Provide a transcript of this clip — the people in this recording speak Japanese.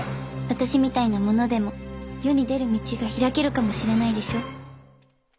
私みたいな者でも世に出る道が開けるかもしれないでしょ。